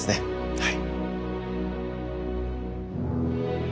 はい。